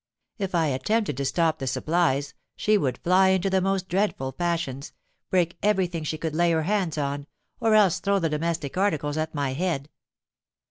If I attempted to stop the supplies, she would fly into the most dreadful passions, break every thing she could lay her hands on, or else throw the domestic articles at my head.